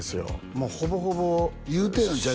もうほぼほぼ言うてんのちゃう？